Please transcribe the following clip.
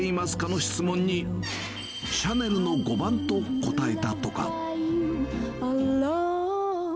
の質問に、シャネルの５番と答えたとか。